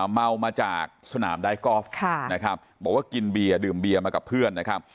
เมามาจากสนามไดกอล์ฟนะครับบอกว่ากินเบียร์ดื่มเบียมากับเพื่อนนะครับ